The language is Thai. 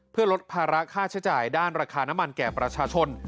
เพื่อลดภาระค่าใช้จ่ายด้านราคาน้ำมันแก่ประชาชน